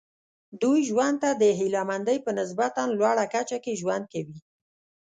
دوی ژوند ته د هیله مندۍ په نسبتا لوړه کچه کې ژوند کوي.